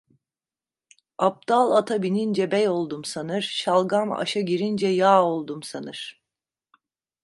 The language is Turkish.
Abdal ata binince bey oldum sanır, şalgam aşa girince yağ oldum sanır.